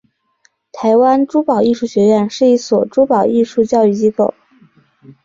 台湾珠宝艺术学院是一所珠宝艺术教育机构。